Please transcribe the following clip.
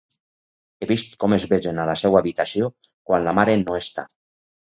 He vist com es besen a la seua habitació quan la mare no està...